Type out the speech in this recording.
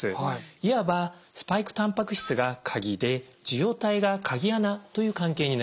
いわばスパイクたんぱく質が鍵で受容体が鍵穴という関係になります。